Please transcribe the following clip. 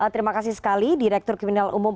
terima kasih sekali direktur kriminal umum